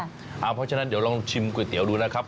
เพราะฉะนั้นเดี๋ยวลองชิมก๋วยเตี๋ยวดูนะครับ